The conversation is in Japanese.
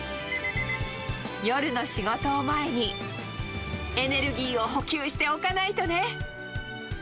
夜の仕事を前に、エネルギーを補給しておかないとね。